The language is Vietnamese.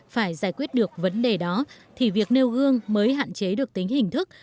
phải giải quyết được vấn đề đó thì việc nêu gương mới hạn chế được tính hình thức